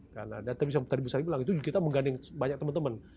karena tadi bede bilang itu kita mengganding banyak teman teman